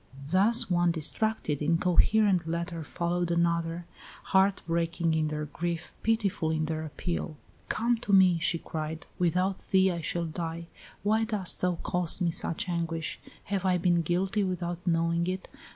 Thus one distracted, incoherent letter followed another, heart breaking in their grief, pitiful in their appeal. "Come to me," she cried; "without thee I shall die. Why dost thou cause me such anguish? Have I been guilty without knowing it?